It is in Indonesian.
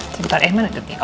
sebentar eh mana oke here